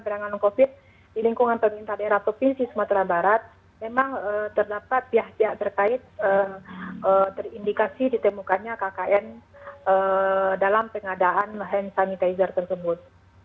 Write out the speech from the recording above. penyelenggaraan covid sembilan belas di lingkungan pemerintahan ratovisi sumatera barat memang terdapat pihak pihak terkait terindikasi ditemukannya kkn dalam pengadaan hand sanitizer tersebut